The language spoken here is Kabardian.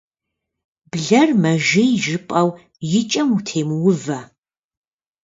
Блэр мэжей жыпӏэу и кӏэм утемыувэ.